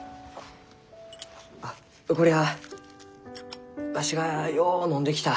あっこりゃあわしがようのんできた熱冷ましじゃ。